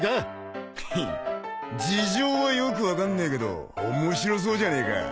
ヘッ事情はよく分かんねえけど面白そうじゃねえか。